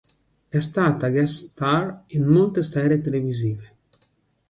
È stata guest star in molte serie televisive.